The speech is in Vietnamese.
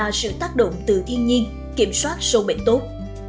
và sự tác động từ thiên nhiên kiểm soát sâu bệnh tốt